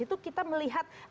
itu kita melihat